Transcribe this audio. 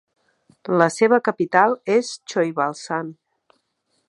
La seva capital és Choibalsan.